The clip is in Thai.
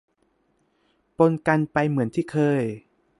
ปนกันไปเหมือนที่เคย